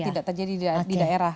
tidak terjadi di daerah